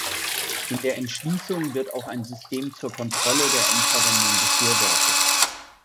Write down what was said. In der Entschließung wird auch ein System zur Kontrolle der Endverwendung befürwortet.